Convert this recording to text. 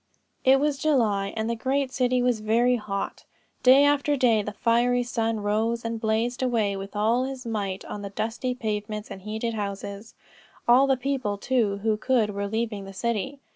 It was July, and the great city was very hot. Day after day the fiery sun rose and blazed away with all his might on the dusty pavements and heated houses. All the people too who could were leaving the city.